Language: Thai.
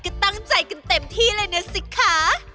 ก็ตั้งใจกันเต็มที่เลยนะสิคะ